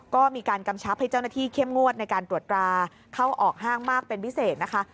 ก็มีการกำชับให้เจ้าหน้าที่เข้มงวดในการตรวจราเข้าออกห้างมากเป็นพิเศษนะคะ